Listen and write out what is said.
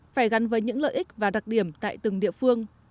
phải gắn với những lợi ích và đặc điểm tại từng địa phương